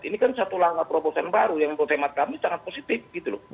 ini kan satu langkah promosi baru yang mempercepat kami sangat positif